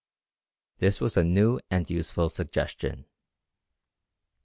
This was a new and useful suggestion.